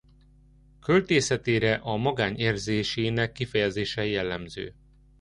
Költészetére a magány érzésének kifejezése jellemző.